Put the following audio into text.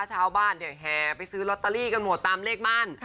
เช้าบ้านแห่ไปซื้อล็อตเตอรี่กันหมดตามเลขบ้าน